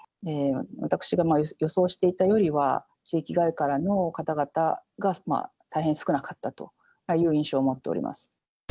私が予想していたよりは、地域外からの方々が大変少なかったという印象を持っております。